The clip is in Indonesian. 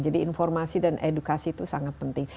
jadi informasi dan edukasi itu sangat penting